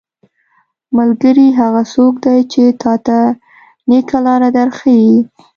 ملګری هغه څوک دی چې تاته نيکه لاره در ښيي.